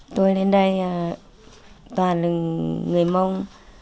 tôi lên đây toàn là người mông